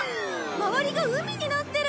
周りが海になってる！